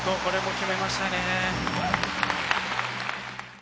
これも決めましたね。